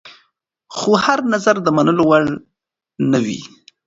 خو هر نظر د منلو وړ نه وي.